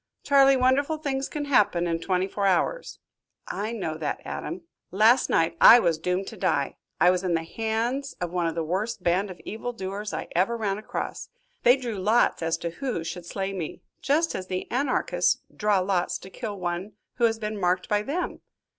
"Charley, wonderful things can happen in twenty four hours." "I know that, Adam." "Last night I was doomed to die. I was in the hands of one of the worst band of evil doers I ever ran across. They drew lots as to who should slay me just as the Anarchists draw lots to kill one who has been marked by them."